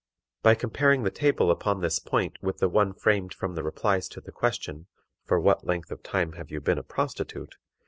By comparing the table upon this point with the one framed from the replies to the question, "For what length of time have you been a prostitute?"